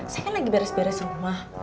saya kan lagi beres beres rumah